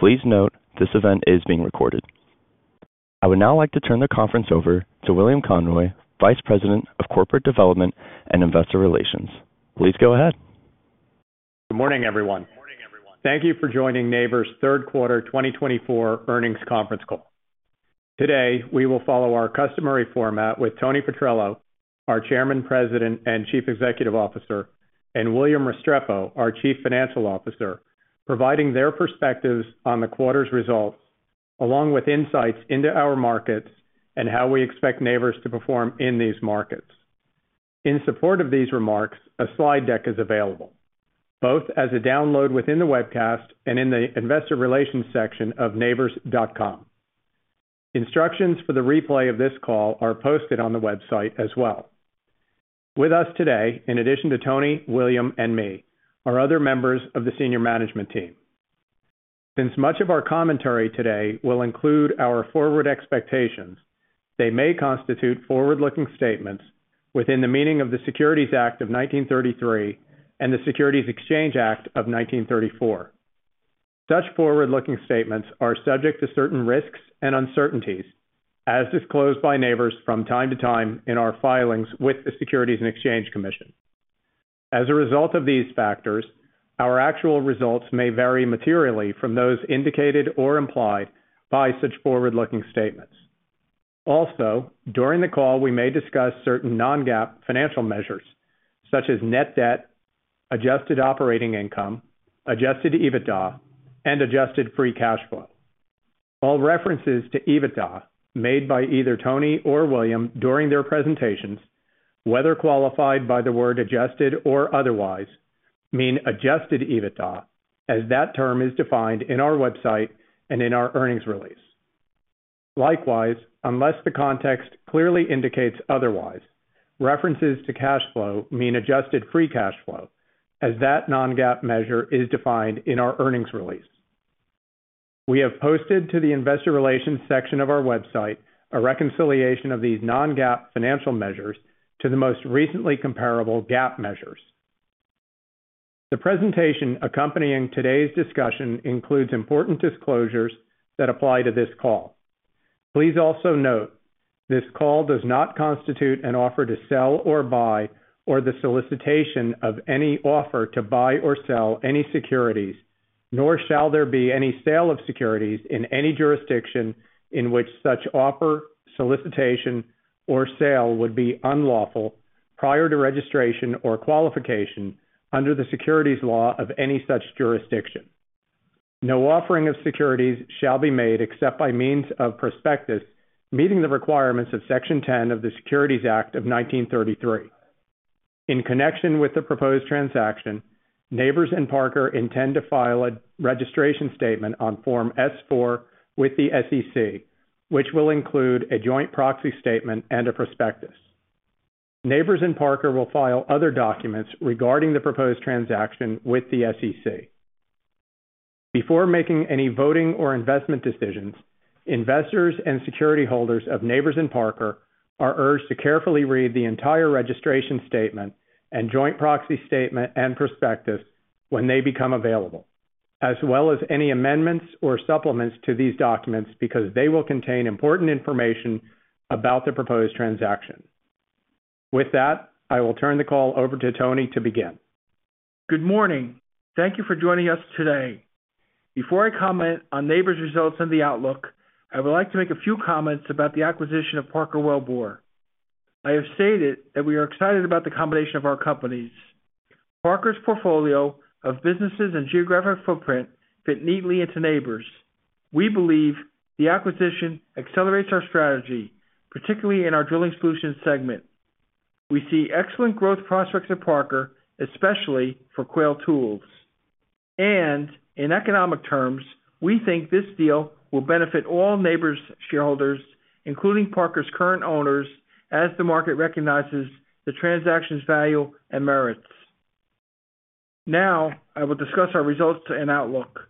Please note, this event is being recorded. I would now like to turn the conference over to William Conroy, Vice President of Corporate Development and Investor Relations. Please go ahead. Good morning, everyone. Thank you for joining Nabors' Third Quarter 2024 Earnings Conference Call. Today, we will follow our customary format with Tony Petrello, our Chairman, President, and Chief Executive Officer, and William Restrepo, our Chief Financial Officer, providing their perspectives on the quarter's results, along with insights into our markets and how we expect Nabors to perform in these markets. In support of these remarks, a slide deck is available, both as a download within the webcast and in the investor relations section of nabors.com. Instructions for the replay of this call are posted on the website as well. With us today, in addition to Tony, William, and me, are other members of the senior management team. Since much of our commentary today will include our forward expectations, they may constitute forward-looking statements within the meaning of the Securities Act of 1933 and the Securities Exchange Act of 1934. Such forward-looking statements are subject to certain risks and uncertainties, as disclosed by Nabors from time to time in our filings with the Securities and Exchange Commission. As a result of these factors, our actual results may vary materially from those indicated or implied by such forward-looking statements. Also, during the call, we may discuss certain non-GAAP financial measures, such as net debt, adjusted operating income, adjusted EBITDA, and adjusted free cash flow. All references to EBITDA made by either Tony or William during their presentations, whether qualified by the word adjusted or otherwise, mean adjusted EBITDA, as that term is defined in our website and in our earnings release. Likewise, unless the context clearly indicates otherwise, references to cash flow mean adjusted free cash flow, as that non-GAAP measure is defined in our earnings release. We have posted to the investor relations section of our website a reconciliation of these non-GAAP financial measures to the most recently comparable GAAP measures. The presentation accompanying today's discussion includes important disclosures that apply to this call. Please also note, this call does not constitute an offer to sell or buy, or the solicitation of any offer to buy or sell any securities, nor shall there be any sale of securities in any jurisdiction in which such offer, solicitation, or sale would be unlawful prior to registration or qualification under the securities law of any such jurisdiction. No offering of securities shall be made except by means of prospectus, meeting the requirements of Section 10 of the Securities Act of nineteen thirty-three. In connection with the proposed transaction, Nabors and Parker intend to file a registration statement on Form S-4 with the SEC, which will include a joint proxy statement and a prospectus. Nabors and Parker will file other documents regarding the proposed transaction with the SEC. Before making any voting or investment decisions, investors and security holders of Nabors and Parker are urged to carefully read the entire registration statement and joint proxy statement and prospectus when they become available, as well as any amendments or supplements to these documents, because they will contain important information about the proposed transaction. With that, I will turn the call over to Tony to begin. Good morning. Thank you for joining us today. Before I comment on Nabors' results and the outlook, I would like to make a few comments about the acquisition of Parker Wellbore. I have stated that we are excited about the combination of our companies. Parker's portfolio of businesses and geographic footprint fit neatly into Nabors. We believe the acquisition accelerates our strategy, particularly in our drilling solutions segment. We see excellent growth prospects at Parker, especially for Quail Tools, and in economic terms, we think this deal will benefit all Nabors shareholders, including Parker's current owners, as the market recognizes the transaction's value and merits. Now, I will discuss our results and outlook.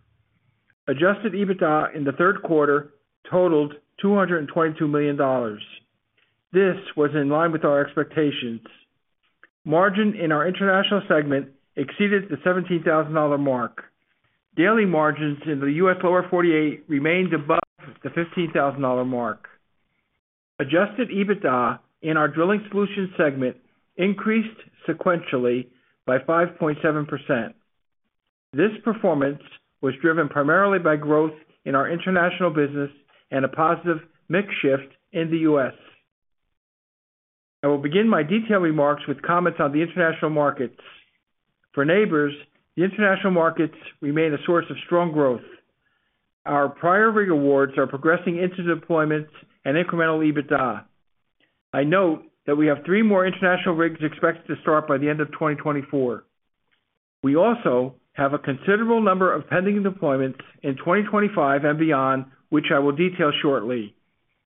Adjusted EBITDA in Q3 totaled $222 million. This was in line with our expectations. Margin in our international segment exceeded the $17,000 mark. Daily margins in the US Lower 48 remained above the $15,000 mark. Adjusted EBITDA in our drilling solutions segment increased sequentially by 5.7%. This performance was driven primarily by growth in our international business and a positive mix shift in the US I will begin my detailed remarks with comments on the international markets. For Nabors, the international markets remain a source of strong growth. Our prior rig awards are progressing into deployments and incremental EBITDA. I note that we have three more international rigs expected to start by the end of 2024. We also have a considerable number of pending deployments in 2025 and beyond, which I will detail shortly,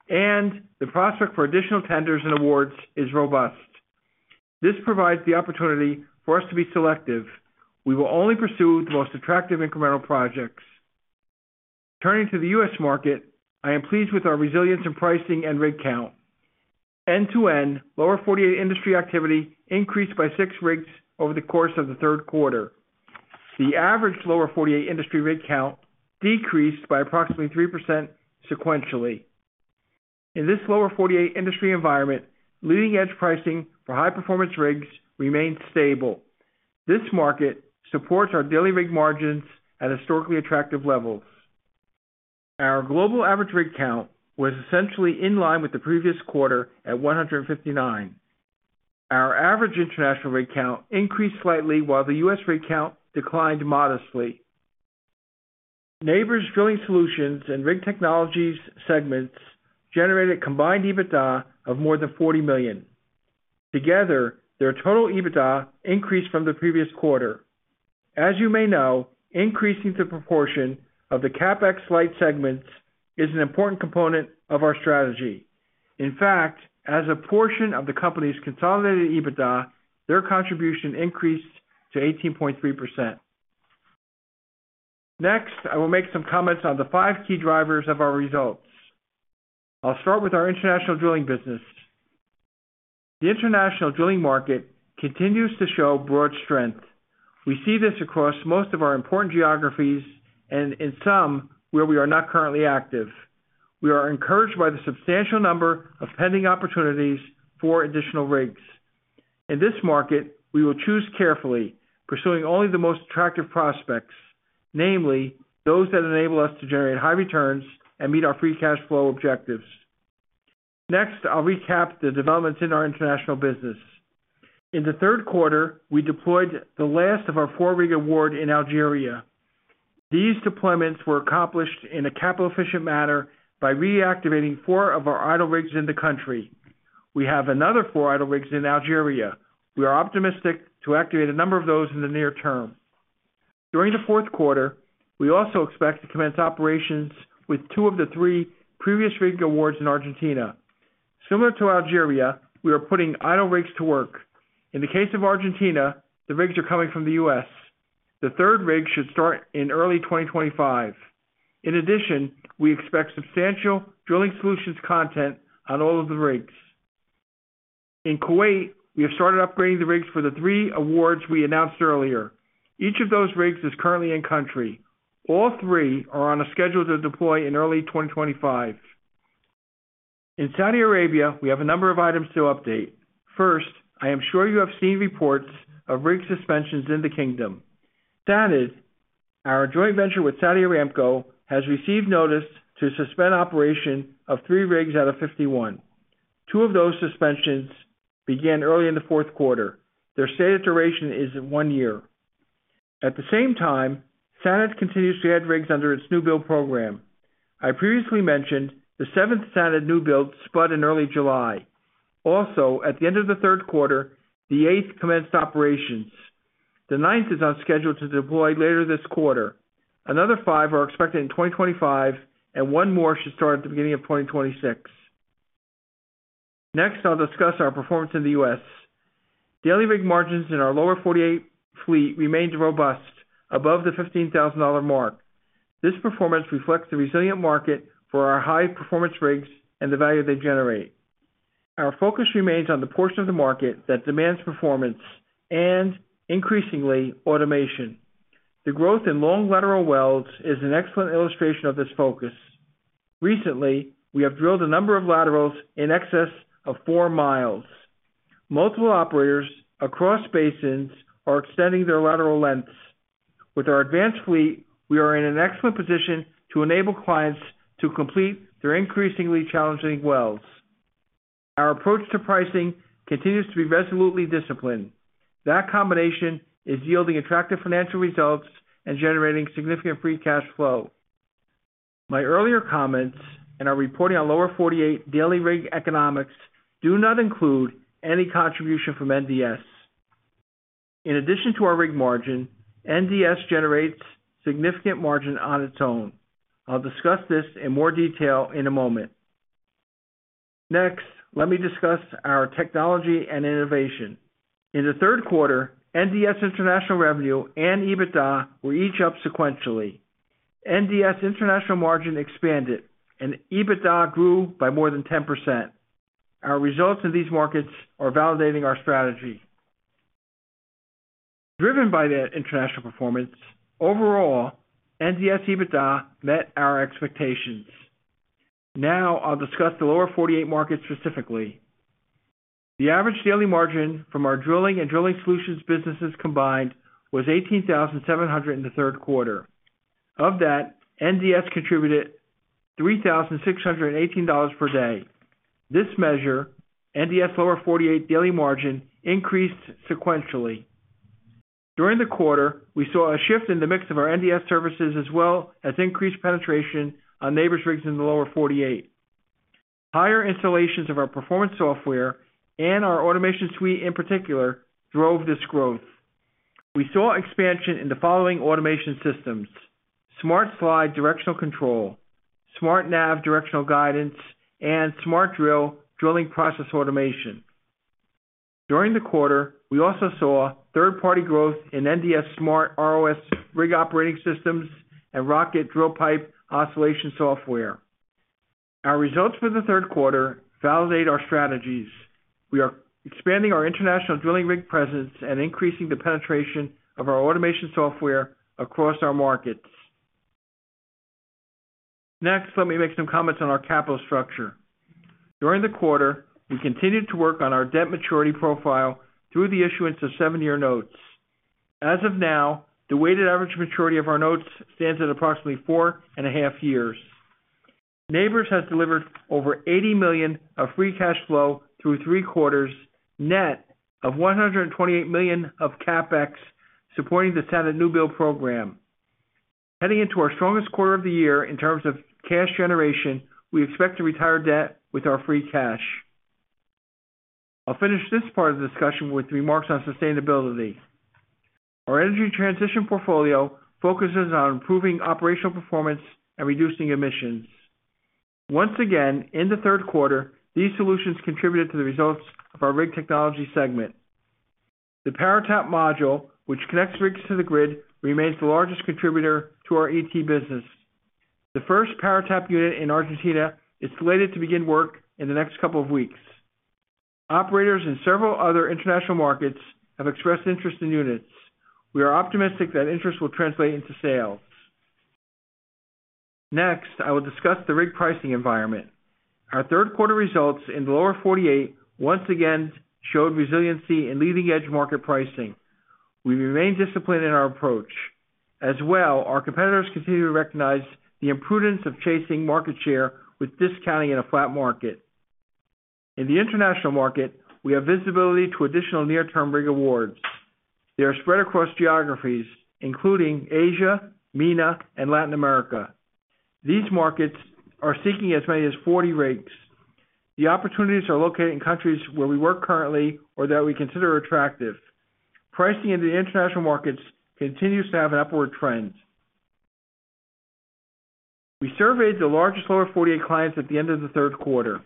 and the prospect for additional tenders and awards is robust. This provides the opportunity for us to be selective. We will only pursue the most attractive incremental projects. Turning to the US market, I am pleased with our resilience in pricing and rig count. End-to-end, Lower 48 industry activity increased by six rigs over the course o Q3. The average Lower 48 industry rig count decreased by approximately 3% sequentially. In this Lower 48 industry environment, leading-edge pricing for high-performance rigs remained stable. This market supports our daily rig margins at historically attractive levels. Our global average rig count was essentially in line with the previous quarter at 159. Our average international rig count increased slightly, while the US rig count declined modestly. Nabors Drilling Solutions and Rig Technologies segments generated combined EBITDA of more than $40 million. Together, their total EBITDA increased from the previous quarter. As you may know, increasing the proportion of the CapEx light segments is an important component of our strategy. In fact, as a portion of the company's consolidated EBITDA, their contribution increased to 18.3%. Next, I will make some comments on the five key drivers of our results. I'll start with our international drilling business. The international drilling market continues to show broad strength. We see this across most of our important geographies and in some, where we are not currently active. We are encouraged by the substantial number of pending opportunities for additional rigs. In this market, we will choose carefully, pursuing only the most attractive prospects, namely, those that enable us to generate high returns and meet our free cash flow objectives. Next, I'll recap the developments in our international business. In Q3, we deployed the last of our four-rig award in Algeria. These deployments were accomplished in a capital-efficient manner by reactivating four of our idle rigs in the country. We have another four idle rigs in Algeria. We are optimistic to activate a number of those in the near term. During Q4, we also expect to commence operations with two of the three previous rig awards in Argentina. Similar to Algeria, we are putting idle rigs to work. In the case of Argentina, the rigs are coming from the US The third rig should start in early 2025. In addition, we expect substantial drilling solutions content on all of the rigs. In Kuwait, we have started upgrading the rigs for the three awards we announced earlier. Each of those rigs is currently in country. All three are on a schedule to deploy in early 2025. In Saudi Arabia, we have a number of items to update. First, I am sure you have seen reports of rig suspensions in the kingdom. SANAD, our joint venture with Saudi Aramco, has received notice to suspend operation of three rigs out of 51. Two of those suspensions began early in Q4. Their stated duration is one year. At the same time, SANAD continues to add rigs under its new build program. I previously mentioned the seventh Saudi new build spud in early July. Also, at the end of Q3, the eighth commenced operations. The ninth is on schedule to deploy later this quarter. Another five are expected in 2025, and one more should start at the beginning of 2026. Next, I'll discuss our performance in the US Daily rig margins in our lower 48 fleet remained robust, above the $15,000 mark. This performance reflects the resilient market for our high-performance rigs and the value they generate. Our focus remains on the portion of the market that demands performance and increasingly, automation. The growth in long lateral wells is an excellent illustration of this focus. Recently, we have drilled a number of laterals in excess of four miles. Multiple operators across basins are extending their lateral lengths. With our advanced fleet, we are in an excellent position to enable clients to complete their increasingly challenging wells. Our approach to pricing continues to be resolutely disciplined. That combination is yielding attractive financial results and generating significant free cash flow. My earlier comments and our reporting on Lower 48 daily rig economics do not include any contribution from NDS. In addition to our rig margin, NDS generates significant margin on its own. I'll discuss this in more detail in a moment. Next, let me discuss our technology and innovation. In Q3, NDS international revenue and EBITDA were each up sequentially. NDS international margin expanded and EBITDA grew by more than 10%. Our results in these markets are validating our strategy. Driven by that international performance, overall, NDS EBITDA met our expectations. Now, I'll discuss the Lower 48 market specifically. The average daily margin from our drilling and drilling solutions businesses combined was $18,700 in Q3. Of that, NDS contributed $3,618 per day. This measure, NDS Lower 48 daily margin, increased sequentially. During the quarter, we saw a shift in the mix of our NDS services, as well as increased penetration on Nabors' rigs in the Lower 48. Higher installations of our performance software and our automation suite, in particular, drove this growth. We saw expansion in the following automation systems: SmartSLIDE directional control, SmartNAV directional guidance, and SmartDRILL drilling process automation. During the quarter, we also saw third-party growth in NDS SmartROS Rig Operating Systems and ROCKit drill pipe oscillation software. Our results for Q3 validate our strategies. We are expanding our international drilling rig presence and increasing the penetration of our automation software across our markets. Next, let me make some comments on our capital structure. During the quarter, we continued to work on our debt maturity profile through the issuance of seven-year notes. As of now, the weighted average maturity of our notes stands at approximately four and a half years. Nabors has delivered over $80 million of free cash flow through three quarters, net of $128 million of CapEx, supporting the SANAD new build program. Heading into our strongest quarter of the year in terms of cash generation, we expect to retire debt with our free cash. I'll finish this part of the discussion with remarks on sustainability. Our energy transition portfolio focuses on improving operational performance and reducing emissions. Once again, in Q3, these solutions contributed to the results of our Rig Technologies segment. The PowerTAP module, which connects rigs to the grid, remains the largest contributor to our ET business. The first PowerTAP unit in Argentina is slated to begin work in the next couple of weeks. Operators in several other international markets have expressed interest in units. We are optimistic that interest will translate into sales. Next, I will discuss the rig pricing environment. Our Q3 results in the Lower 48 once again showed resiliency in leading-edge market pricing. We remain disciplined in our approach. As well, our competitors continue to recognize the imprudence of chasing market share with discounting in a flat market. In the international market, we have visibility to additional near-term rig awards. They are spread across geographies, including Asia, MENA, and Latin America. These markets are seeking as many as 40 rigs. The opportunities are located in countries where we work currently or that we consider attractive. Pricing in the international markets continues to have upward trends. We surveyed the largest Lower 48 clients at the end of Q3.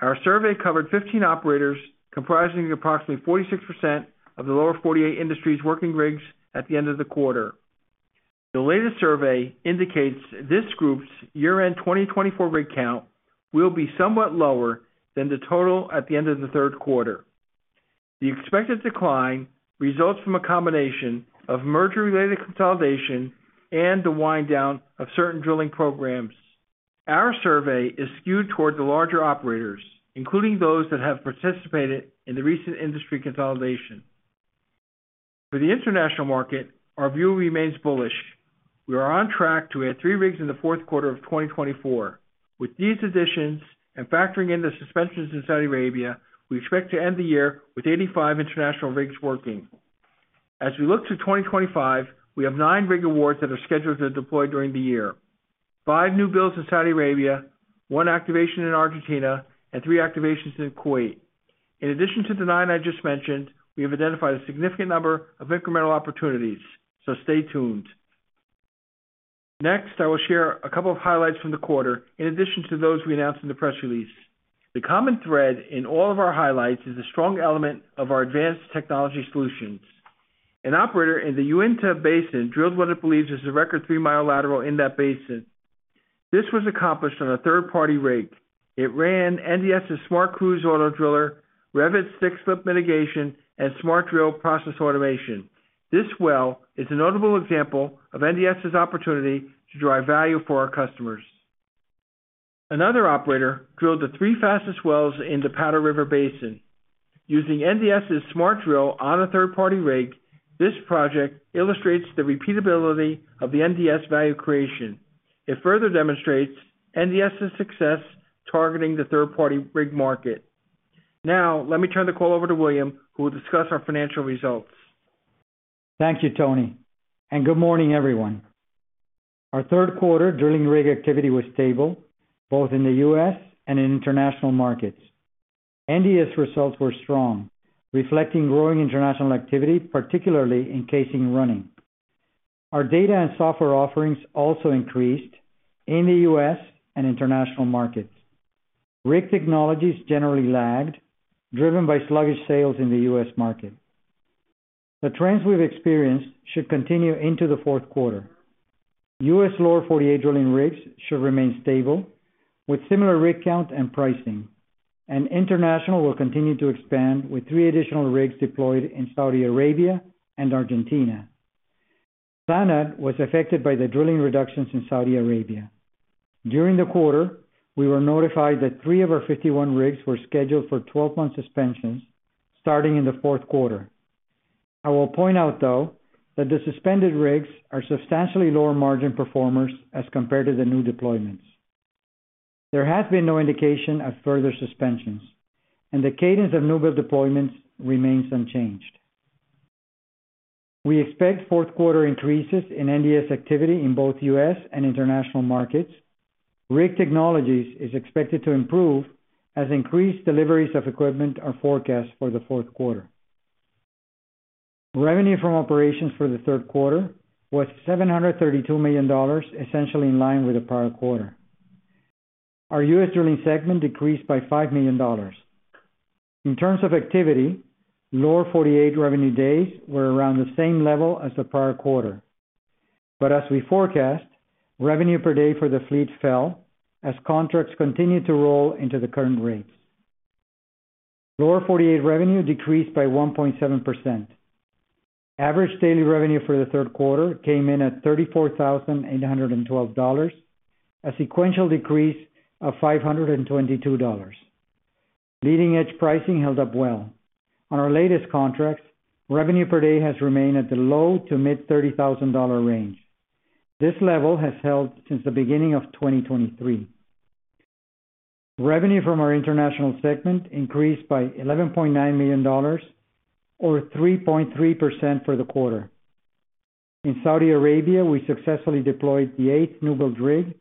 Our survey covered 15 operators, comprising approximately 46% of the Lower 48 industry's working rigs at the end of the quarter. The latest survey indicates this group's year-end 2024 rig count will be somewhat lower than the total at the end of Q3. The expected decline results from a combination of merger-related consolidation and the wind down of certain drilling programs. Our survey is skewed toward the larger operators, including those that have participated in the recent industry consolidation. For the international market, our view remains bullish. We are on track to add three rigs in Q4 of 2024. With these additions, and factoring in the suspensions in Saudi Arabia, we expect to end the year with 85 international rigs working. As we look to 2025, we have nine rig awards that are scheduled to deploy during the year, five new builds in Saudi Arabia, one activation in Argentina, and three activations in Kuwait. In addition to the nine I just mentioned, we have identified a significant number of incremental opportunities, so stay tuned. Next, I will share a couple of highlights from the quarter in addition to those we announced in the press release. The common thread in all of our highlights is a strong element of our advanced technology solutions. An operator in the Uinta Basin drilled what it believes is a record three-mile lateral in that basin. This was accomplished on a third-party rig. It ran NDS's SmartCRUISE auto driller, REVit stick-slip mitigation, and SmartDRILL process automation. This well is a notable example of NDS's opportunity to drive value for our customers. Another operator drilled the three fastest wells in the Powder River Basin. Using NDS's SmartDRILL on a third-party rig, this project illustrates the repeatability of the NDS value creation. It further demonstrates NDS's success targeting the third-party rig market. Now, let me turn the call over to William, who will discuss our financial results. Thank you, Tony, and good morning, everyone. Our Q3 drilling rig activity was stable, both in the US and in international markets. NDS results were strong, reflecting growing international activity, particularly in casing running. Our data and software offerings also increased in the US and international markets. Rig technologies generally lagged, driven by sluggish sales in the US market. The trends we've experienced should continue into Q4. US Lower 48 drilling rigs should remain stable, with similar rig count and pricing, and international will continue to expand, with three additional rigs deployed in Saudi Arabia and Argentina. SANAD was affected by the drilling reductions in Saudi Arabia. During the quarter, we were notified that three of our fifty-one rigs were scheduled for twelve-month suspensions, starting in Q4. I will point out, though, that the suspended rigs are substantially lower margin performers as compared to the new deployments. There has been no indication of further suspensions, and the cadence of newbuild deployments remains unchanged. We expect Q4 increases in NDS activity in both US and international markets. Rig Technologies is expected to improve as increased deliveries of equipment are forecast for Q4. Revenue from operations for Q3 was $732 million, essentially in line with the prior quarter. Our US drilling segment decreased by $5 million. In terms of activity, Lower 48 revenue days were around the same level as the prior quarter. But as we forecast, revenue per day for the fleet fell as contracts continued to roll into the current rates. Lower 48 revenue decreased by 1.7%. Average daily revenue for Q3 came in at $34,812, a sequential decrease of $522. Leading-edge pricing held up well. On our latest contracts, revenue per day has remained at the low- to mid-$30,000 range. This level has held since the beginning of 2023. Revenue from our international segment increased by $11.9 million, or 3.3% for the quarter. In Saudi Arabia, we successfully deployed the eighth newbuild rig,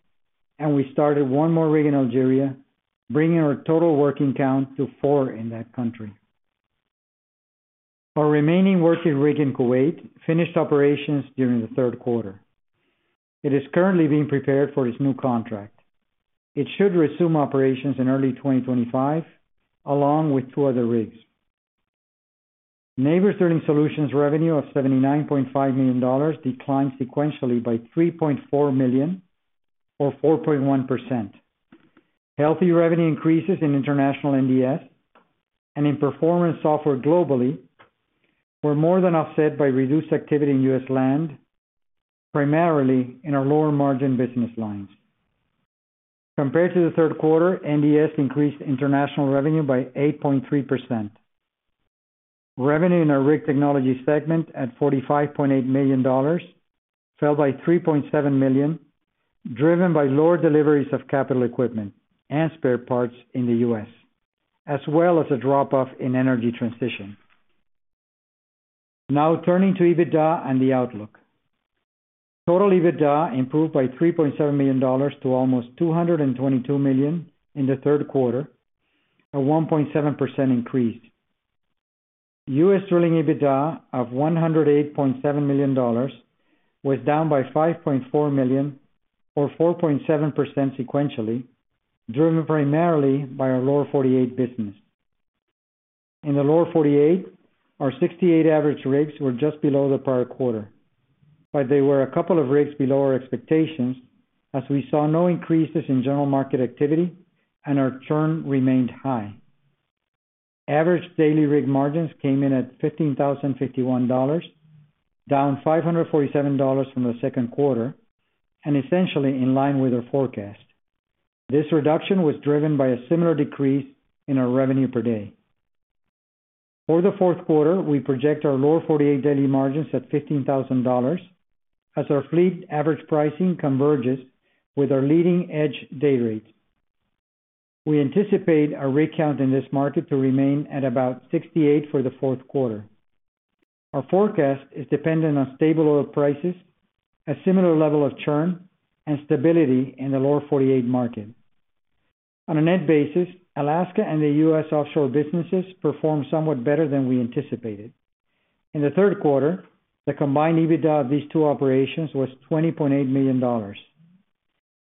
and we started one more rig in Algeria, bringing our total working count to 4 in that country. Our remaining working rig in Kuwait finished operations during Q3. It is currently being prepared for its new contract. It should resume operations in early 2025, along with two other rigs. Nabors Drilling Solutions revenue of $79.5 million declined sequentially by $3.4 million, or 4.1%. Healthy revenue increases in international NDS and in performance software globally were more than offset by reduced activity in US land, primarily in our lower-margin business lines. Compared to Q3, NDS increased international revenue by 8.3%. Revenue in our rig technology segment at $45.8 million fell by $3.7 million, driven by lower deliveries of capital equipment and spare parts in the US, as well as a drop-off in energy transition. Now turning to EBITDA and the outlook. Total EBITDA improved by $3.7 million to almost $222 million in Q3, a 1.7% increase. US drilling EBITDA of $108.7 million was down by $5.4 million, or 4.7% sequentially, driven primarily by our Lower 48 business. In the Lower 48, our 68 average rigs were just below the prior quarter, but they were a couple of rigs below our expectations as we saw no increases in general market activity and our churn remained high. Average daily rig margins came in at $15,051, down $547 from Q2, and essentially in line with our forecast. This reduction was driven by a similar decrease in our revenue per day. For Q4, we project our Lower 48 daily margins at $15,000 as our fleet average pricing converges with our leading-edge day rates. We anticipate our rig count in this market to remain at about 68 for Q4. Our forecast is dependent on stable oil prices, a similar level of churn, and stability in the Lower 48 market. On a net basis, Alaska and the US offshore businesses performed somewhat better than we anticipated. In Q3, the combined EBITDA of these two operations was $20.8 million.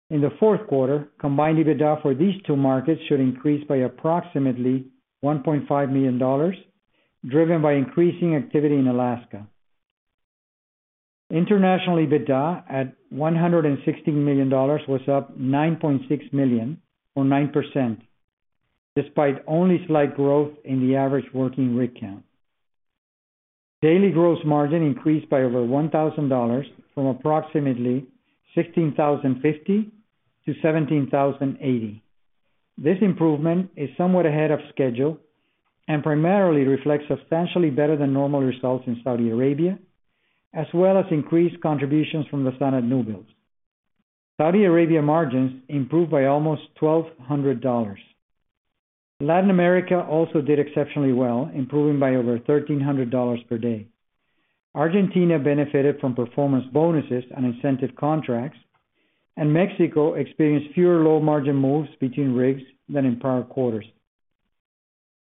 In Q4, combined EBITDA for these two markets should increase by approximately $1.5 million, driven by increasing activity in Alaska. International EBITDA at $116 million was up $9.6 million, or 9%, despite only slight growth in the average working rig count. Daily gross margin increased by over $1,000 from approximately $16,050 to 17,080. This improvement is somewhat ahead of schedule and primarily reflects substantially better than normal results in Saudi Arabia, as well as increased contributions from the SANAD newbuilds. Saudi Arabia margins improved by almost $1,200. Latin America also did exceptionally well, improving by over $1,300 per day. Argentina benefited from performance bonuses and incentive contracts, and Mexico experienced fewer low-margin moves between rigs than in prior quarters.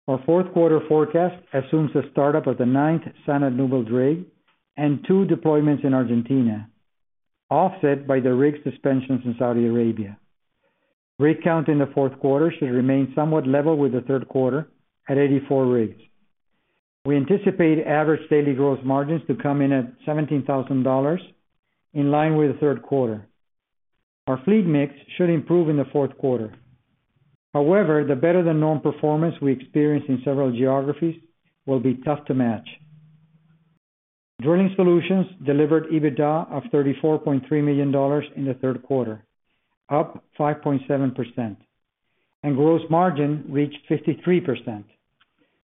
Our Q4 forecast assumes the startup of the ninth SANAD newbuild rig and two deployments in Argentina, offset by the rig suspensions in Saudi Arabia. Rig count in Q4 should remain somewhat level with Q3 at 84 rigs. We anticipate average daily gross margins to come in at $17,000, in line with Q3. Our fleet mix should improve in Q4. However, the better than known performance we experienced in several geographies will be tough to match. Drilling solutions delivered EBITDA of $34.3 million in Q3, up 5.7%, and gross margin reached 53%.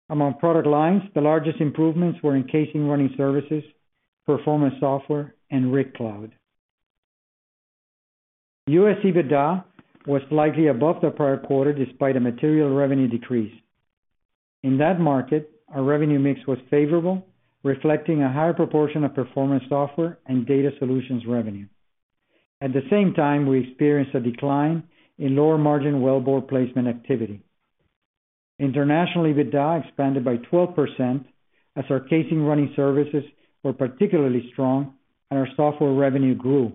Among product lines, the largest improvements were in casing running services, performance software, and RigCLOUD. US EBITDA was slightly above the prior quarter, despite a material revenue decrease. In that market, our revenue mix was favorable, reflecting a higher proportion of performance software and data solutions revenue.... At the same time, we experienced a decline in lower margin wellbore placement activity. International EBITDA expanded by 12% as our casing running services were particularly strong and our software revenue grew.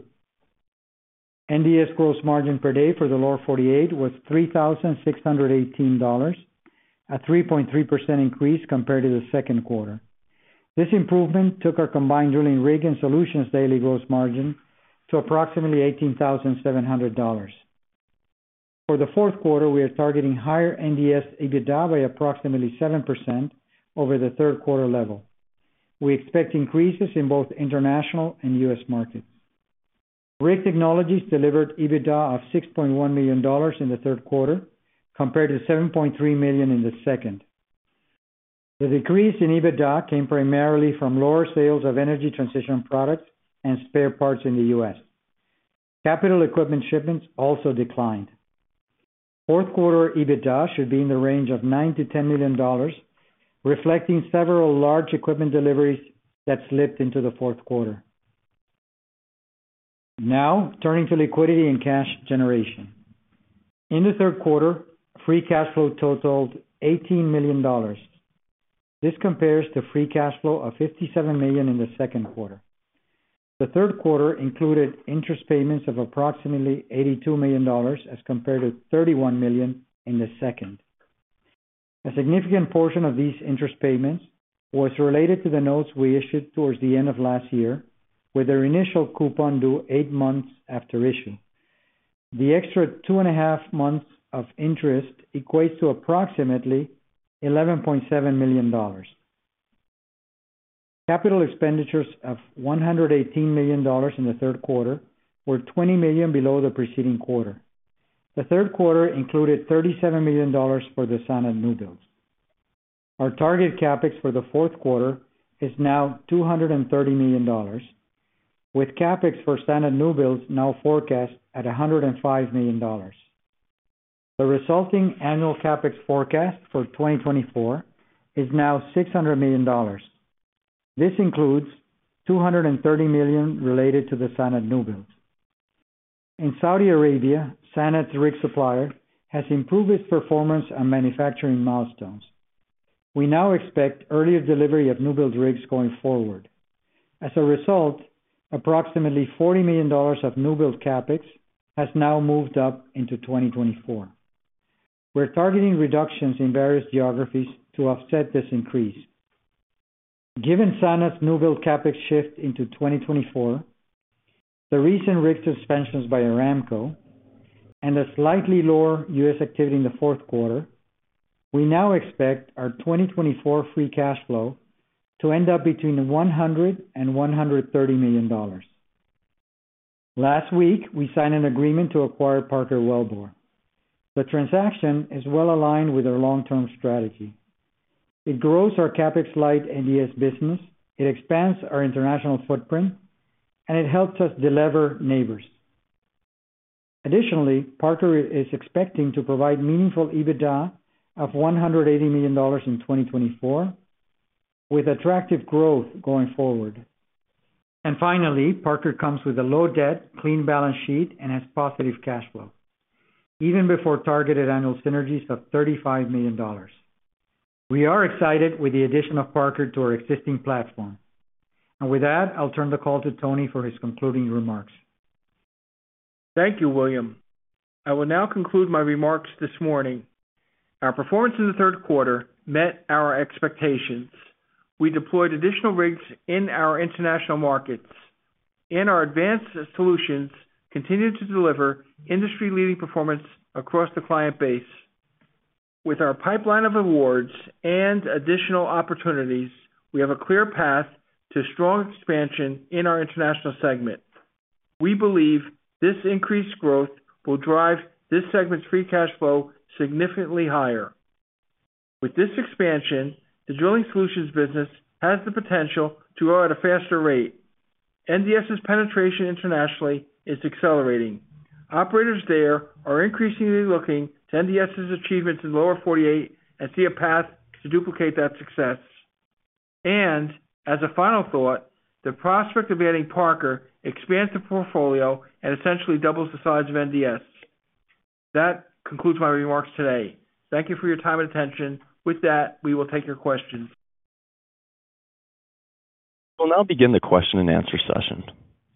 NDS gross margin per day for the Lower 48 was $3,618, a 3.3% increase compared to Q2. This improvement took our combined drilling rig and solutions daily gross margin to approximately $18,700. For Q4, we are targeting higher NDS EBITDA by approximately 7% over Q3 level. We expect increases in both international and US markets. Rig Technologies delivered EBITDA of $6.1 million in Q3, compared to $7.3 million in the second. The decrease in EBITDA came primarily from lower sales of energy transition products and spare parts in the US Capital equipment shipments also declined. Q4 EBITDA should be in the range of $9 to 10 million, reflecting several large equipment deliveries that slipped into Q4. Now turning to liquidity and cash generation. In Q3, free cash flow totaled $18 million. This compares to free cash flow of $57 million in Q2. Q3 included interest payments of approximately $82 million, as compared to $31 million in the second. A significant portion of these interest payments was related to the notes we issued towards the end of last year, with their initial coupon due eight months after issue. The extra two and a half months of interest equates to approximately $11.7 million. Capital expenditures of $118 million in Q3 were $20 million below the preceding quarter. Q3 included $37 million for the SANAD new builds. Our target CapEx for Q4 is now $230 million, with CapEx for SANAD new builds now forecast at $105 million. The resulting annual CapEx forecast for 2024 is now $600 million. This includes $230 million related to the SANAD new builds. In Saudi Arabia, SANAD's rig supplier has improved its performance on manufacturing milestones. We now expect earlier delivery of new build rigs going forward. As a result, approximately $40 million of new build CapEx has now moved up into 2024. We're targeting reductions in various geographies to offset this increase. Given SANAD's new build CapEx shift into 2024, the recent rig suspensions by Aramco, and a slightly lower US activity in Q4, we now expect our 2024 free cash flow to end up between $100 million and $130 million. Last week, we signed an agreement to acquire Parker Wellbore. The transaction is well aligned with our long-term strategy. It grows our CapEx-light NDS business, it expands our international footprint, and it helps us delever Nabors. Additionally, Parker is expecting to provide meaningful EBITDA of $180 million in 2024, with attractive growth going forward and finally, Parker comes with a low debt, clean balance sheet, and has positive cash flow, even before targeted annual synergies of $35 million. We are excited with the addition of Parker to our existing platform and with that, I'll turn the call to Tony for his concluding remarks. Thank you, William. I will now conclude my remarks this morning. Our performance in Q3 met our expectations. We deployed additional rigs in our international markets, and our advanced solutions continued to deliver industry-leading performance across the client base. With our pipeline of awards and additional opportunities, we have a clear path to strong expansion in our international segment. We believe this increased growth will drive this segment's free cash flow significantly higher. With this expansion, the drilling solutions business has the potential to grow at a faster rate. NDS's penetration internationally is accelerating. Operators there are increasingly looking to NDS's achievements in Lower 48 and see a path to duplicate that success. And as a final thought, the prospect of adding Parker expands the portfolio and essentially doubles the size of NDS. That concludes my remarks today. Thank you for your time and attention. With that, we will take your questions. We'll now begin the question and answer session.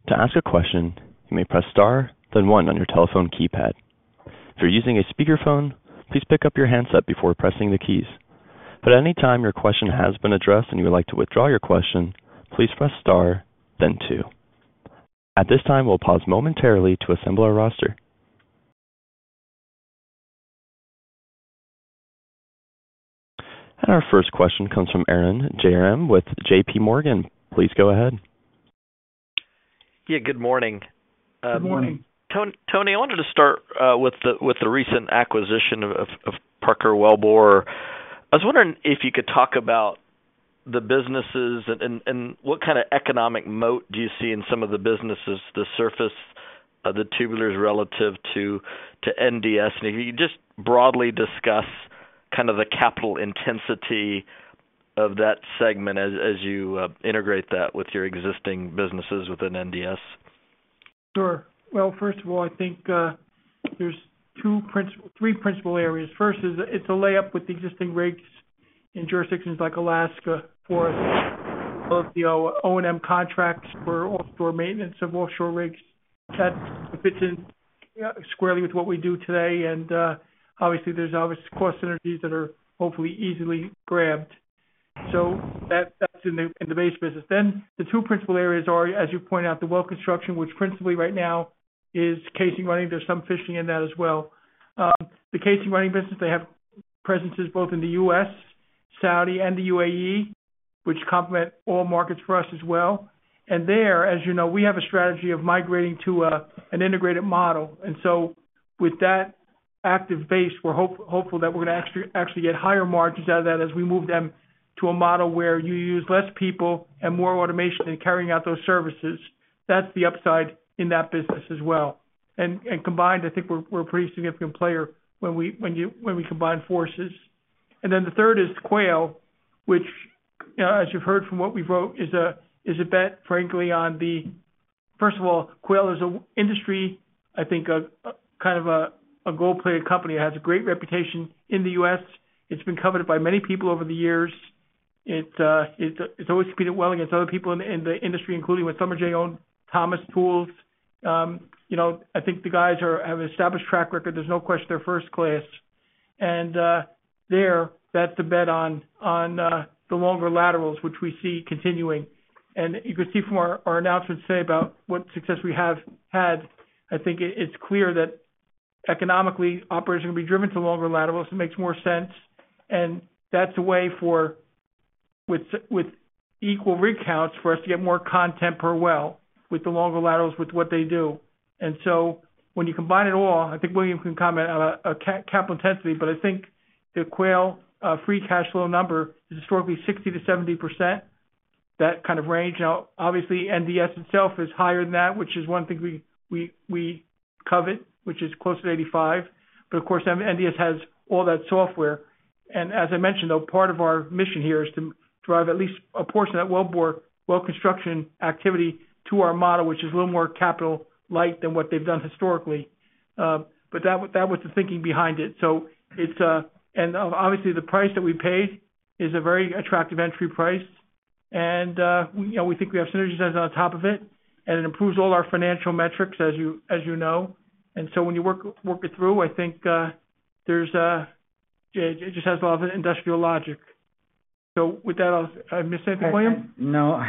To ask a question, you may press star, then one on your telephone keypad. If you're using a speakerphone, please pick up your handset before pressing the keys. But at any time your question has been addressed and you would like to withdraw your question, please press star, then two. At this time, we'll pause momentarily to assemble our roster, and our first question comes from Arun Jayaram with JPMorgan. Please go ahead. Yeah, good morning. Good morning. Tony, I wanted to start with the recent acquisition of Parker Wellbore. I was wondering if you could talk about the businesses and what kind of economic moat do you see in some of the businesses, the services of the tubulars relative to NDS? Can you just broadly discuss kind of the capital intensity of that segment as you integrate that with your existing businesses within NDS? Sure. First of all, I think, there's two principal-- three principal areas. First is, it's a layup with the existing rigs in jurisdictions like Alaska for us, both the O&M contracts for offshore maintenance of offshore rigs. That fits in squarely with what we do today, and obviously, there's obvious cost synergies that are hopefully easily grabbed. So that's in the, in the base business. Then the two principal areas are, as you point out, the well construction, which principally right now is casing running. There's some fishing in that as well. The casing running business, they have presences both in the US, Saudi, and the UAE, which complement all markets for us as well. And there, as you know, we have a strategy of migrating to an integrated model. And so with that active base, we're hopeful that we're gonna actually get higher margins out of that as we move them to a model where you use less people and more automation in carrying out those services. That's the upside in that business as well. And combined, I think we're a pretty significant player when we combine forces. And then the third is Quail, which, as you've heard from what we wrote, is a bet, frankly, on the... First of all, Quail is an industry, I think, a kind of a gold-plated company, has a great reputation in the US It's been coveted by many people over the years. It's always competed well against other people in the industry, including when Schlumberger owned Thomas Tools. You know, I think the guys have an established track record. There's no question they're first class. That's a bet on the longer laterals, which we see continuing. You can see from our announcement today about what success we have had. I think it's clear that economically, operations will be driven to longer laterals. It makes more sense, and that's a way for, with equal rig counts, for us to get more content per well with the longer laterals with what they do. When you combine it all, I think William can comment on capital intensity, but I think the Quail free cash flow number is historically 60% to 70%, that kind of range. Now, obviously, NDS itself is higher than that, which is one thing we covet, which is closer to 85. But of course, then NDS has all that software. And as I mentioned, though, part of our mission here is to drive at least a portion of that wellbore well construction activity to our model, which is a little more capital light than what they've done historically. But that was the thinking behind it. So it's. And obviously, the price that we paid is a very attractive entry price, and you know, we think we have synergies on top of it, and it improves all our financial metrics, as you know. And so when you work it through, I think. There's it just has a lot of industrial logic. So with that, I'll. Did I miss anything, William? No.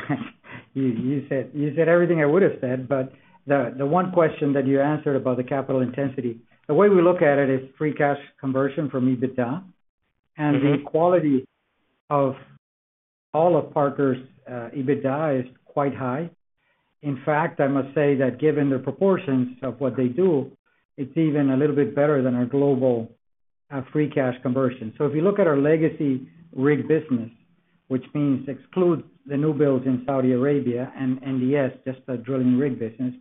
You said everything I would have said, but the one question that you answered about the capital intensity, the way we look at it is free cash conversion from EBITDA. The quality of all of Parker's EBITDA is quite high. In fact, I must say that given the proportions of what they do, it's even a little bit better than our global free cash conversion. If you look at our legacy rig business, which means exclude the new builds in Saudi Arabia and NDS, just the drilling rig business,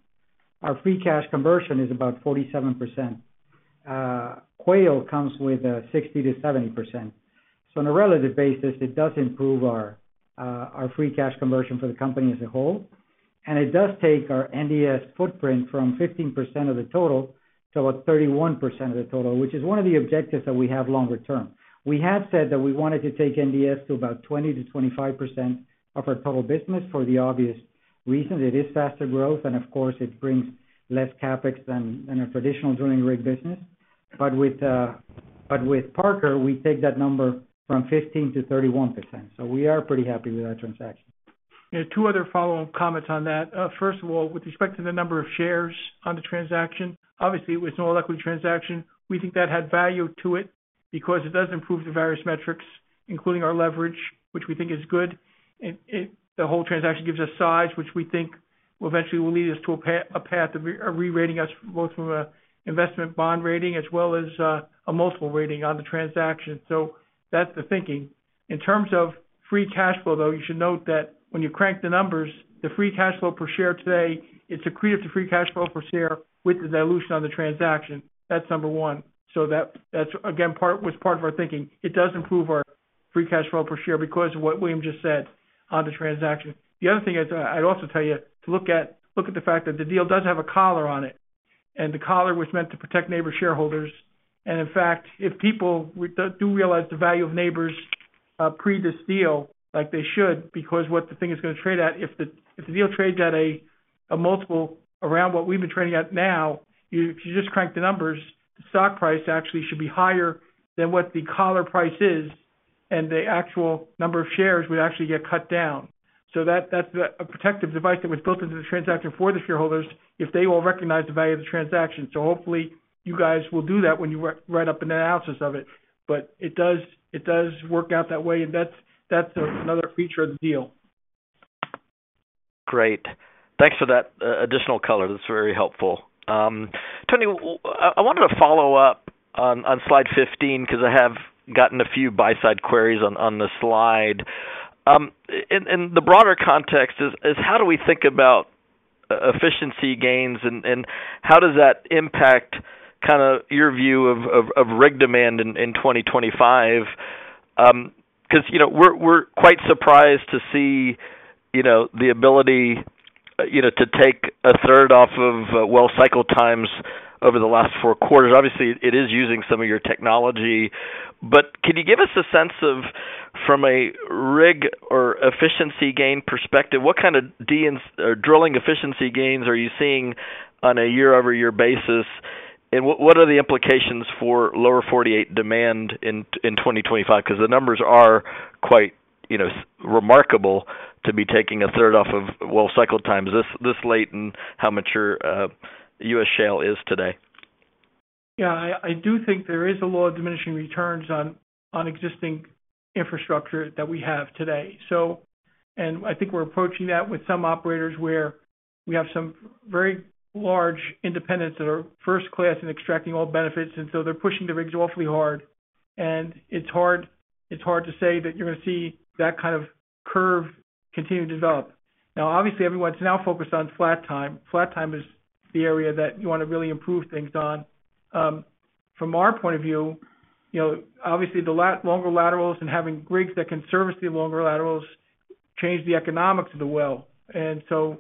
our free cash conversion is about 47%. Quail comes with 60% to 70%. On a relative basis, it does improve our free cash conversion for the company as a whole, and it does take our NDS footprint from 15% of the total to about 31% of the total, which is one of the objectives that we have longer term. We have said that we wanted to take NDS to about 20% to 25% of our total business for the obvious reasons. It is faster growth, and of course, it brings less CapEx than a traditional drilling rig business. But with Parker, we take that number from 15% to 31%, so we are pretty happy with that transaction. Yeah, two other follow-up comments on that. First of all, with respect to the number of shares on the transaction, obviously, it was an all-equity transaction. We think that had value to it because it does improve the various metrics, including our leverage, which we think is good. The whole transaction gives us size, which we think will eventually lead us to a path of rerating us, both from an investment bond rating as well as a multiple rating on the transaction. So that's the thinking. In terms of free cash flow, though, you should note that when you crank the numbers, the free cash flow per share today, it's accretive to free cash flow per share with the dilution on the transaction. That's number one. So that's again part of our thinking. It does improve our free cash flow per share because of what William just said on the transaction. The other thing is, I'd also tell you to look at the fact that the deal does have a collar on it, and the collar was meant to protect Nabors shareholders. In fact, if people do realize the value of Nabors pre this deal, like they should, because what the thing is gonna trade at, if the deal trades at a multiple around what we've been trading at now, if you just crank the numbers, the stock price actually should be higher than what the collar price is, and the actual number of shares would actually get cut down. That, that's a protective device that was built into the transaction for the shareholders if they will recognize the value of the transaction. Hopefully, you guys will do that when you write up an analysis of it. But it does work out that way, and that's another feature of the deal. Great. Thanks for that additional color. That's very helpful. Tony, I wanted to follow up on slide 15, because I have gotten a few buy-side queries on the slide. In the broader context is how do we think about efficiency gains, and how does that impact kind of your view of rig demand in 2025? 'Cause, you know, we're quite surprised to see, you know, the ability, you know, to take a third off of well cycle times over the last four quarters. Obviously, it is using some of your technology, but can you give us a sense of, from a rig or efficiency gain perspective, what kind of drilling efficiency gains are you seeing on a year-over-year basis? What are the implications for Lower 48 demand in 2025? Because the numbers are quite, you know, remarkable to be taking a third off of well cycle times this late, and how mature US shale is today. Yeah, I do think there is a law of diminishing returns on existing infrastructure that we have today. So, and I think we're approaching that with some operators, where we have some very large independents that are first class in extracting all benefits, and so they're pushing the rigs awfully hard. And it's hard to say that you're gonna see that kind of curve continue to develop. Now, obviously, everyone's now focused on flat time. Flat time is the area that you want to really improve things on. From our point of view, you know, obviously, the longer laterals and having rigs that can service the longer laterals change the economics of the well. And so,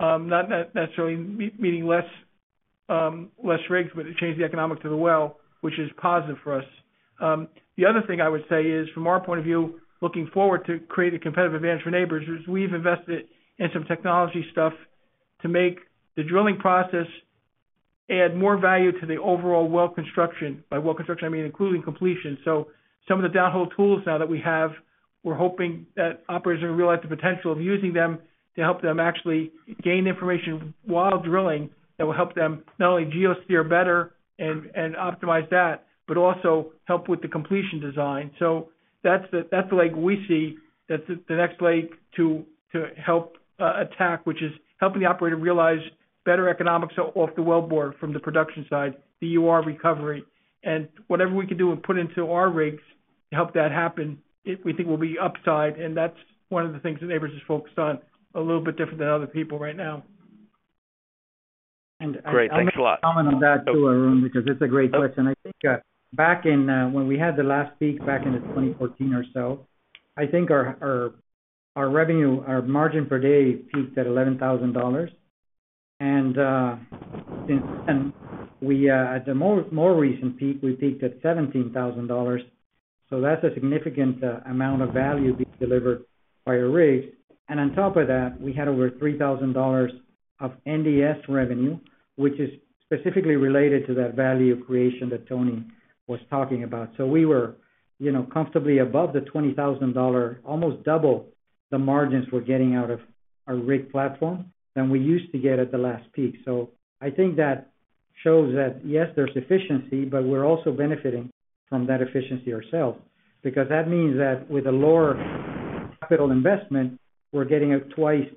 not necessarily meaning less rigs, but it changed the economics of the well, which is positive for us. The other thing I would say is, from our point of view, looking forward to create a competitive advantage for Nabors, is we've invested in some technology stuff to make the drilling process add more value to the overall well construction. By well construction, I mean, including completion. So some of the downhole tools now that we have, we're hoping that operators will realize the potential of using them to help them actually gain information while drilling. That will help them not only geosteer better and optimize that, but also help with the completion design. So that's the leg we see. That's the next leg to help attack, which is helping the operator realize better economics off the wellbore from the production side, the UR recovery. Whatever we can do and put into our rigs to help that happen, it, we think will be upside, and that's one of the things that Nabors is focused on, a little bit different than other people right now. Great, thanks a lot. On that, too, Arun, because it's a great question. I think back in when we had the last peak back in 2014 or so, I think our revenue, our margin per day, peaked at $11,000. And at the more recent peak, we peaked at $17,000, so that's a significant amount of value being delivered by a rig. And on top of that, we had over $3,000 of NDS revenue, which is specifically related to that value creation that Tony was talking about. So we were, you know, comfortably above the $20,000, almost double the margins we're getting out of our rig platform than we used to get at the last peak. I think that shows that, yes, there's efficiency, but we're also benefiting from that efficiency ourselves, because that means that with a lower capital investment, we're getting a twice,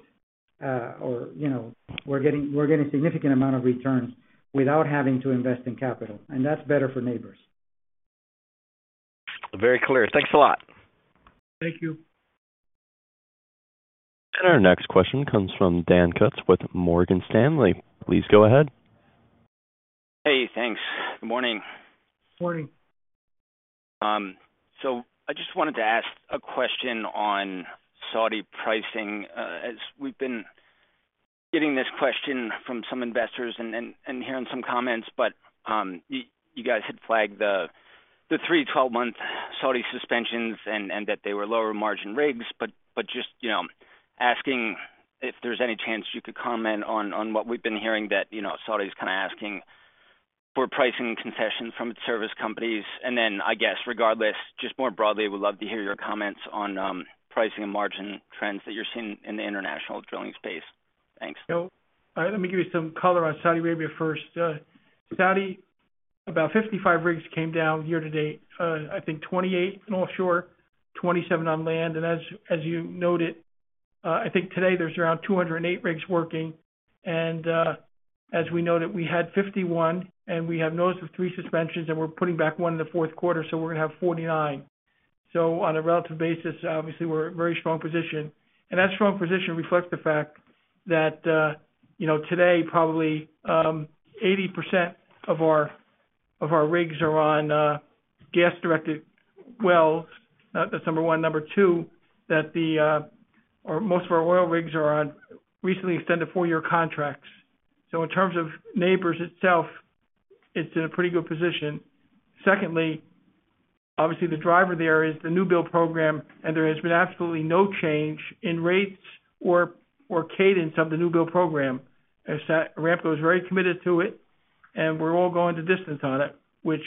or, you know, we're getting significant amount of returns without having to invest in capital, and that's better for Nabors. Very clear. Thanks a lot. Thank you. Our next question comes from Dan Kutz with Morgan Stanley. Please go ahead. Hey, thanks. Good morning. Morning. So I just wanted to ask a question on Saudi pricing, as we've been getting this question from some investors and hearing some comments, but you guys had flagged the three to 12-month Saudi suspensions and that they were lower margin rigs. But just, you know, asking if there's any chance you could comment on what we've been hearing, that you know, Saudi's kind of asking for pricing concessions from its service companies. And then, I guess, regardless, just more broadly, would love to hear your comments on pricing and margin trends that you're seeing in the international drilling space. Thanks. Let me give you some color on Saudi Arabia first. Saudi, about 55 rigs came down year to date. I think 28 offshore, 27 on land. And as you noted, I think today there's around 208 rigs working, and as we noted, we had 51, and we have noted the three suspensions, and we're putting back one in Q4, so we're gonna have 49. On a relative basis, obviously, we're in a very strong position, and that strong position reflects the fact that, you know, today, probably, 80% of our rigs are on gas-directed wells. That's number one. Number two, most of our oil rigs are on recently extended four-year contracts. In terms of Nabors itself, it's in a pretty good position. Secondly, obviously, the driver there is the new build program, and there has been absolutely no change in rates or cadence of the new build program. As that, SANAD is very committed to it, and we're all going the distance on it, which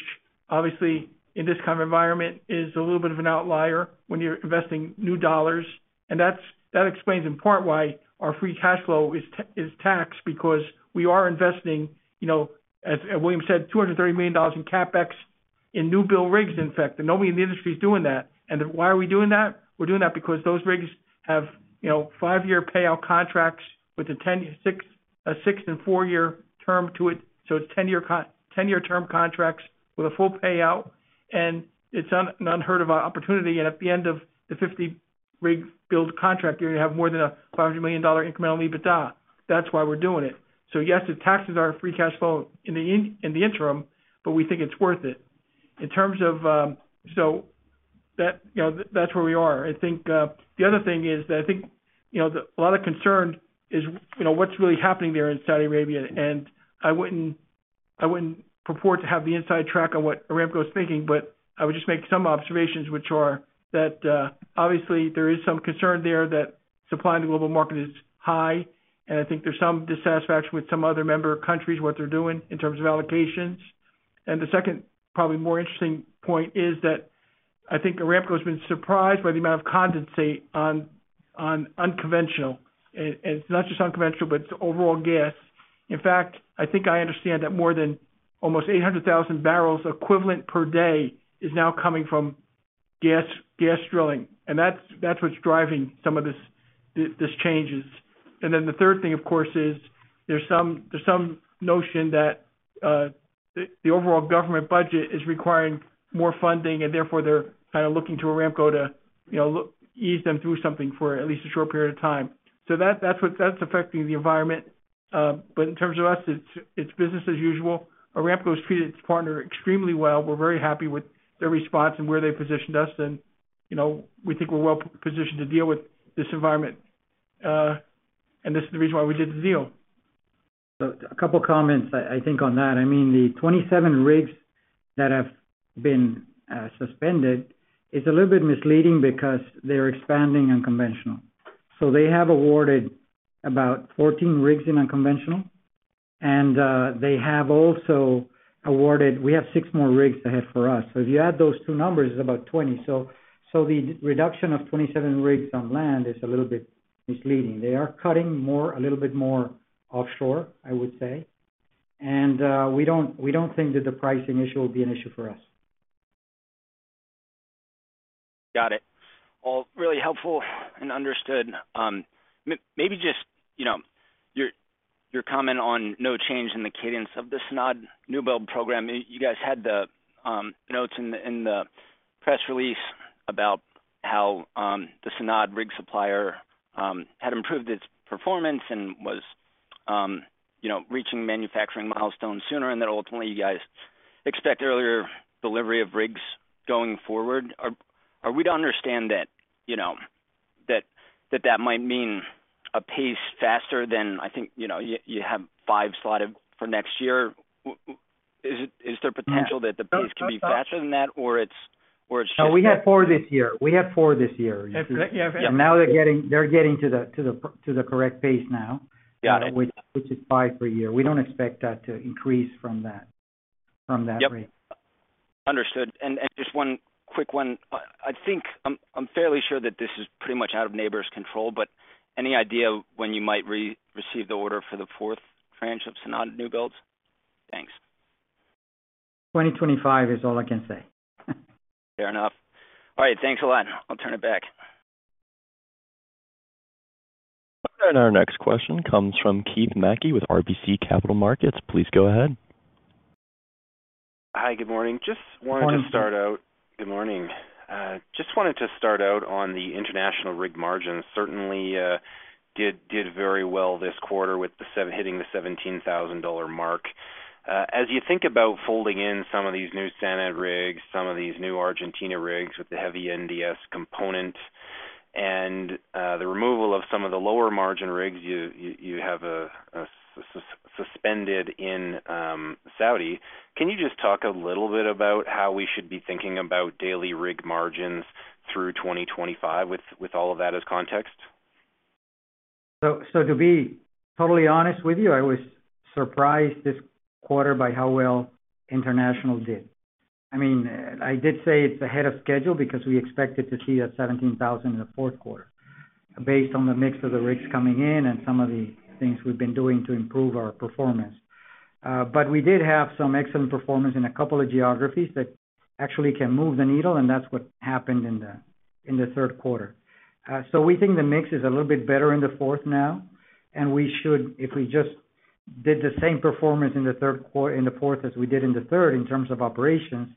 obviously, in this kind of environment, is a little bit of an outlier when you're investing new dollars. And that explains in part why our free cash flow is taxed, because we are investing, you know, as William said, $230 million in CapEx, in new build rigs, in fact, and nobody in the industry is doing that. And then why are we doing that? We're doing that because those rigs have, you know, five-year payout contracts with a ten-year, a six-and-four-year term to it. So it's ten-year term contracts with a full payout and it's an unheard of opportunity, and at the end of the fifty rig build contract, you're gonna have more than $500 million incremental EBITDA. That's why we're doing it. So yes, the taxes are free cash flow in the interim, but we think it's worth it. In terms of, so that, you know, that's where we are. I think the other thing is that I think, you know, a lot of concern is, you know, what's really happening there in Saudi Arabia, and I wouldn't purport to have the inside track on what Aramco is thinking, but I would just make some observations, which are that obviously there is some concern there that supply in the global market is high, and I think there's some dissatisfaction with some other member countries, what they're doing in terms of allocations. And the second, probably more interesting point is that I think Aramco has been surprised by the amount of condensate on unconventional. And it's not just unconventional, but it's overall gas. In fact, I think I understand that more than almost 800,000 barrels equivalent per day is now coming from gas, gas drilling, and that's what's driving some of this, these changes, and then the third thing, of course, is there's some notion that the overall government budget is requiring more funding, and therefore, they're kind of looking to Aramco to, you know, look to ease them through something for at least a short period of time, so that's what's affecting the environment, but in terms of us, it's business as usual. Aramco has treated its partner extremely well. We're very happy with their response and where they positioned us, and, you know, we think we're well positioned to deal with this environment, and this is the reason why we did the deal. A couple comments I think on that. I mean, the 27 rigs that have been suspended is a little bit misleading because they're expanding unconventional. They have awarded about 14 rigs in unconventional, and they have also awarded. We have six more rigs they have for us. So if you add those two numbers, it's about 20. The reduction of 27 rigs on land is a little bit misleading. They are cutting more, a little bit more offshore, I would say. We don't think that the pricing issue will be an issue for us. Got it. All really helpful and understood. Maybe just, you know, your comment on no change in the cadence of the SANAD newbuild program. You guys had the notes in the press release about how the SANAD rig supplier had improved its performance and was, you know, reaching manufacturing milestones sooner, and that ultimately, you guys expect earlier delivery of rigs going forward. Are we to understand that, you know, that might mean a pace faster than I think, you know, you have five slotted for next year? Is there potential that the pace could be faster than that, or it's just- No, we have four this year. Yeah. Now they're getting to the correct pace now. Got it. Which is five per year. We don't expect that to increase from that rate. Yep. Understood. And just one quick one. I think I'm fairly sure that this is pretty much out of Nabors' control, but any idea when you might receive the order for the fourth tranche of SANAD new builds? Thanks. 2025 is all I can say. Fair enough. All right, thanks a lot. I'll turn it back. Our next question comes from Keith Mackey with RBC Capital Markets. Please go ahead. Hi, good morning. Just wanted to start out- Good morning. Good morning. Just wanted to start out on the international rig margins. Certainly, did very well this quarter with the seven hitting the $17,000 mark. As you think about folding in some of these new SANAD rigs, some of these new Argentina rigs with the heavy NDS component, and the removal of some of the lower margin rigs you have suspended in Saudi, can you just talk a little bit about how we should be thinking about daily rig margins through 2025, with all of that as context? To be totally honest with you, I was surprised this quarter by how well international did. I mean, I did say it's ahead of schedule because we expected to see $17,000 in Q4, based on the mix of the rigs coming in and some of the things we've been doing to improve our performance. But we did have some excellent performance in a couple of geographies that actually can move the needle, and that's what happened in Q3. So we think the mix is a little bit better in the fourth now, and we should, if we just did the same performance in the fourth as we did in the third, in terms of operations,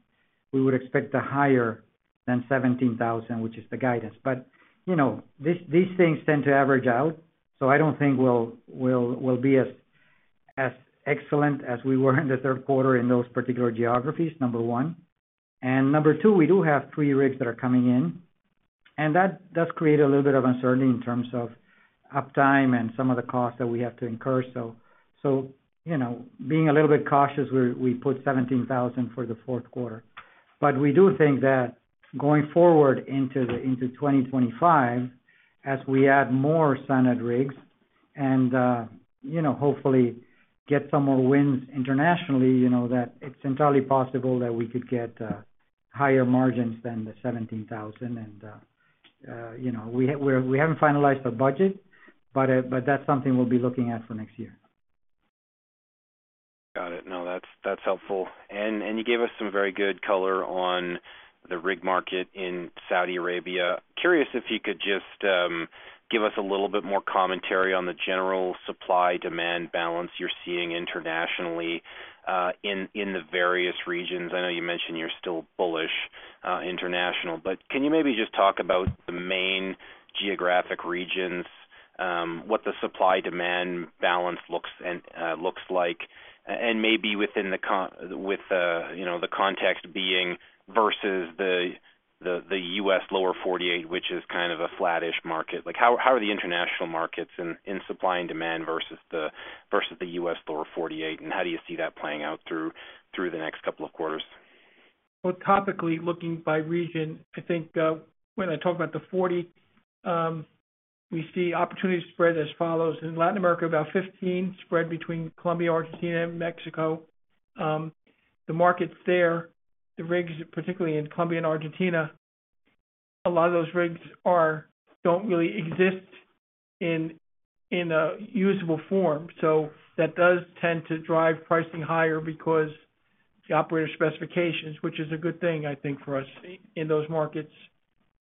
we would expect higher than $17,000, which is the guidance. But, you know, these things tend to average out, so I don't think we'll be as excellent as we were in Q3 in those particular geographies, number one. And number two, we do have three rigs that are coming in, and that does create a little bit of uncertainty in terms of uptime and some of the costs that we have to incur. So, you know, being a little bit cautious, we put $17,000 for Q4. But we do think that going forward into 2025, as we add more SANAD rigs and, you know, hopefully get some more wins internationally, you know, that it's entirely possible that we could get higher margins than the $17,000. You know, we haven't finalized a budget, but that's something we'll be looking at for next year. Got it. No, that's helpful. And you gave us some very good color on the rig market in Saudi Arabia. Curious if you could just give us a little bit more commentary on the general supply-demand balance you're seeing internationally in the various regions. I know you mentioned you're still bullish international, but can you maybe just talk about the main geographic regions, what the supply-demand balance looks like, and maybe within the, with the, you know, the context being versus the US Lower 48, which is kind of a flattish market. Like, how are the international markets in supply and demand versus the US Lower 48, and how do you see that playing out through the next couple of quarters? Topically, looking by region, I think, when I talk about the forty, we see opportunity spread as follows: in Latin America, about 15 spread between Colombia, Argentina, and Mexico. The markets there, the rigs, particularly in Colombia and Argentina, a lot of those rigs don't really exist in a usable form, so that does tend to drive pricing higher because the operator specifications, which is a good thing, I think, for us in those markets.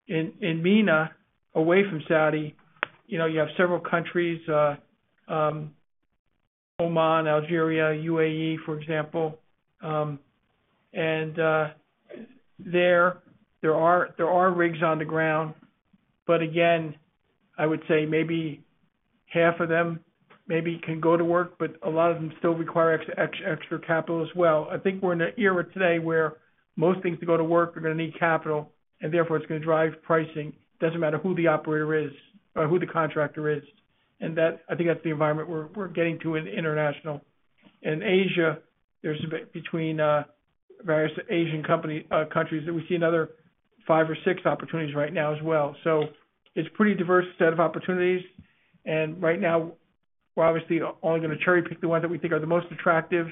In MENA, away from Saudi, you know, you have several countries, Oman, Algeria, UAE, for example. And there are rigs on the ground, but again, I would say maybe half of them can go to work, but a lot of them still require extra capital as well. I think we're in an era today where most things to go to work are gonna need capital, and therefore, it's gonna drive pricing. Doesn't matter who the operator is or who the contractor is, and that. I think that's the environment we're getting to in international. In Asia, there's between various Asian countries that we see another five or six opportunities right now as well. So it's a pretty diverse set of opportunities, and right now, we're obviously only gonna cherry-pick the ones that we think are the most attractive.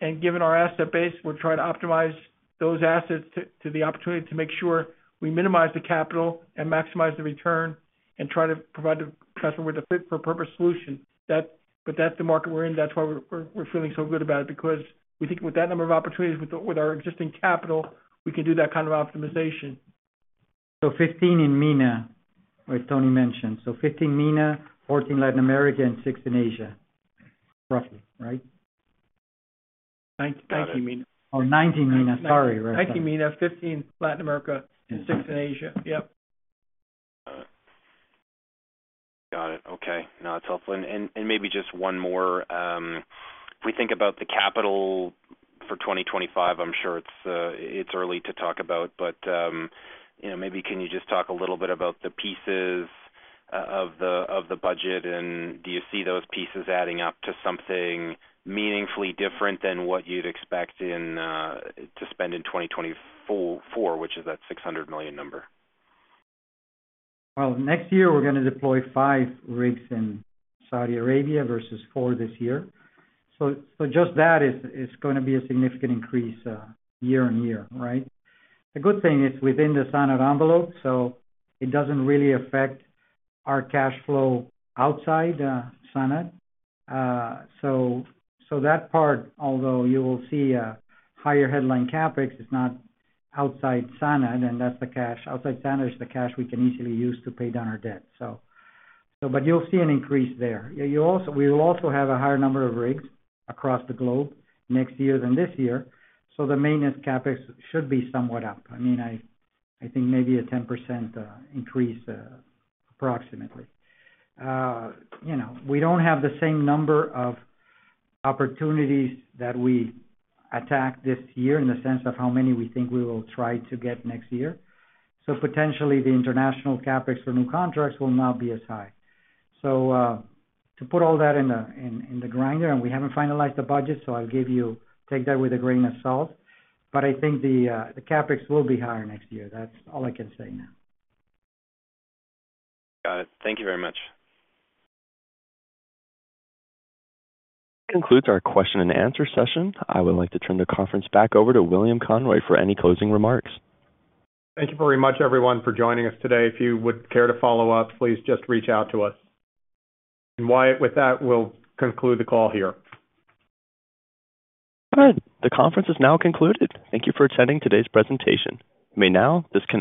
And given our asset base, we'll try to optimize those assets to the opportunity to make sure we minimize the capital and maximize the return and try to provide the customer with a fit-for-purpose solution. That's the market we're in. That's why we're feeling so good about it, because we think with that number of opportunities, with our existing capital, we can do that kind of optimization. 15 in MENA, as Tony mentioned. 15 MENA, 14 Latin America, and six in Asia, roughly, right? 19 MENA. Oh, 19 MENA, sorry. 19 MENA, 15 Latin America, and 6 in Asia. Yep. Got it. Okay. No, it's helpful. And maybe just one more. If we think about the capital for 2025, I'm sure it's early to talk about, but you know, maybe can you just talk a little bit about the pieces of the budget, and do you see those pieces adding up to something meaningfully different than what you'd expect to spend in 2024, which is that $600 million number? Next year, we're gonna deploy five rigs in Saudi Arabia versus four this year. Just that is gonna be a significant increase year on year, right? The good thing is within the SANAD envelope, so it doesn't really affect our cash flow outside SANAD. That part, although you will see a higher headline CapEx, is not outside SANAD, and that's the cash. Outside SANAD is the cash we can easily use to pay down our debt, but you'll see an increase there. We will also have a higher number of rigs across the globe next year than this year, so the maintenance CapEx should be somewhat up. I mean, I think maybe a 10% increase, approximately. You know, we don't have the same number of opportunities that we attacked this year in the sense of how many we think we will try to get next year. So potentially, the international CapEx for new contracts will not be as high. So, to put all that in the grinder, and we haven't finalized the budget, so I'll give you. Take that with a grain of salt. But I think the CapEx will be higher next year. That's all I can say now. Got it. Thank you very much. Concludes our question and answer session. I would like to turn the conference back over to William Conroy for any closing remarks. Thank you very much, everyone, for joining us today. If you would care to follow up, please just reach out to us. And Wyatt, with that, we'll conclude the call here. Good. The conference is now concluded. Thank you for attending today's presentation. You may now disconnect.